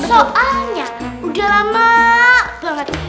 soalnya udah lama banget